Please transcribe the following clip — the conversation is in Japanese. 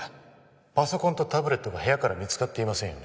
パソコンとタブレットが部屋から見つかっていませんよね